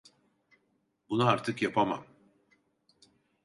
Bunu artık yapamam.